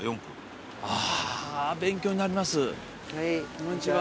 こんにちは。